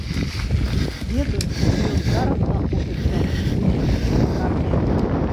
Ведаю, што ён зараз знаходзіцца ў іхняй лякарні.